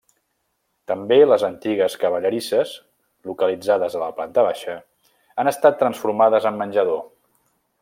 També les antigues cavallerisses -localitzades a la planta baixa- han estat transformades en menjador.